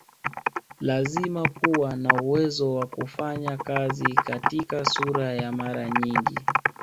Lazima kuwa na uwezo wa kufanya kazi katika sura ya mara nyingi